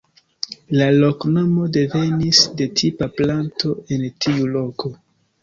La loknomo devenis de tipa planto en tiu loko.